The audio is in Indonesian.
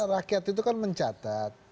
rakyat itu kan mencatat